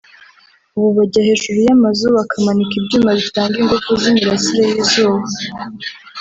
ubu bajya hejuru y’amazu bakamanika ibyuma bitanga ingufu z’imirasire y’izuba